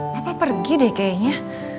papa pergi deh kayaknya